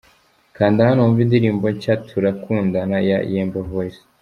Kanda hano wumve indirimbo nshya 'Turakundana' ya Yemba Voice.